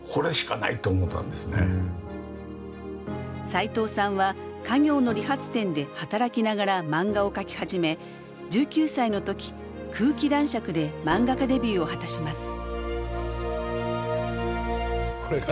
さいとうさんは家業の理髪店で働きながら漫画を描き始め１９歳の時「空気男爵」で漫画家デビューを果たします。